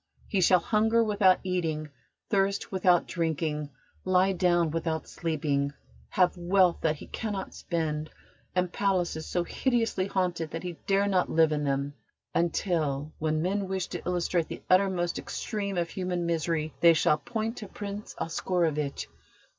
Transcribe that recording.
He shall hunger without eating, thirst without drinking, lie down without sleeping, have wealth that he cannot spend, and palaces so hideously haunted that he dare not live in them, until, when men wish to illustrate the uttermost extreme of human misery, they shall point to Prince Oscarovitch.